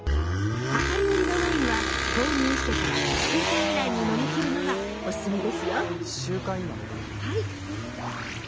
量り売りのワインは購入してから１週間以内に飲み切るのがおすすめです。